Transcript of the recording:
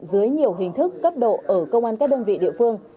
dưới nhiều hình thức cấp độ ở công an các đơn vị địa phương